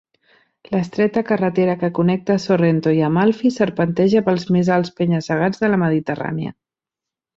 L'estreta carretera que connecta Sorrento i Amalfi serpenteja pels més alts penya-segats de la Mediterrània.